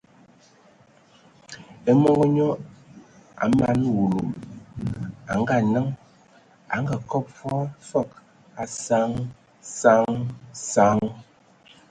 E mɔn nyɔ a mana wulu, a ngaa-naŋ, a kɔbɔgɔ fɔɔ fəg a saŋ saŋ saŋ.